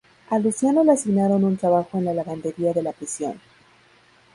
A Luciano le asignaron un trabajo en la lavandería de la prisión.